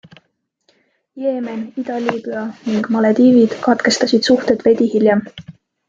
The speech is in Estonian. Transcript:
Jeemen, Ida-Liibüa ning Malediivid katkestasid suhted veidi hiljem.